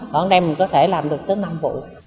còn đây mình có thể làm được tới năm vụ